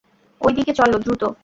ঐ দিকে চলো, দ্রুত।